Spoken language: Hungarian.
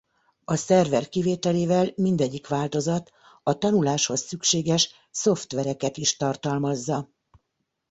A Szerver kivételével mindegyik változat a tanuláshoz szükséges szoftvereket is tartalmazza.